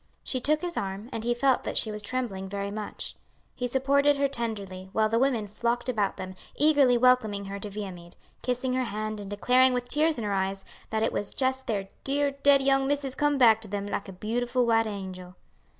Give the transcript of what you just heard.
She took his arm, and he felt that she was trembling very much. He supported her tenderly, while the women flocked about them, eagerly welcoming her to Viamede; kissing her hand, and declaring with tears in their eyes, that it was just their "dear dead young missus come back to them, like a beautiful white angel."